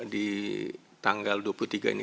di tanggal dua puluh tiga ini